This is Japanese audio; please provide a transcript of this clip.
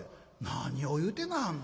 「何を言うてなはんの。